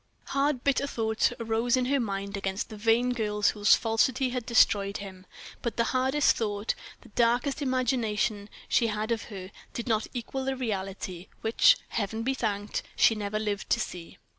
Hard, bitter thoughts arose in her mind against the vain girl whose falsity had destroyed him; but the hardest thought, the darkest imagination she had of her, did not equal the reality, which Heaven be thanked! she never lived to see.